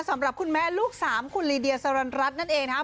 สำหรับคุณแม่ลูกสามคุณลีเดียสรรรัสนั่นเองนะครับ